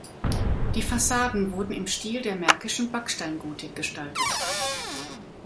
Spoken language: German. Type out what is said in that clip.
Die Fassaden wurden im Stil der märkischen Backsteingotik gestaltet.